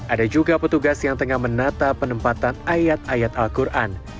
ada juga petugas yang tengah menata penempatan ayat ayat al quran